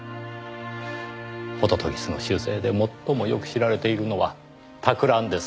杜鵑の習性で最もよく知られているのは托卵です。